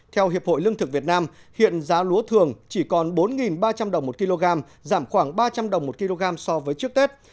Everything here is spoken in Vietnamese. theo hiệp hội lương thực việt nam hiện giá lúa thường chỉ còn bốn ba trăm linh đồng một kg giảm khoảng ba trăm linh đồng một kg so với trước tết